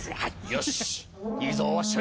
よし。